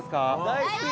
大好き！